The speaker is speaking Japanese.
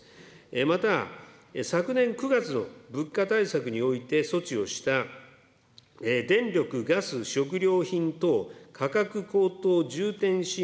また、昨年９月の物価対策において措置をした電力、ガス食料品等価格高騰重点支援